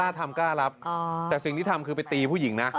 ทำกล้ารับแต่สิ่งที่ทำคือไปตีผู้หญิงนะ